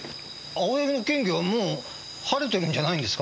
青柳の嫌疑はもう晴れてるんじゃないんですか？